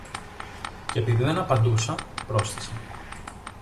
Κι επειδή δεν απαντούσα, πρόσθεσε: